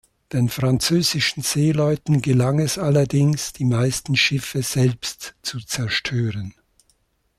Den französischen Seeleuten gelang es allerdings, die meisten Schiffe selbst zu zerstören.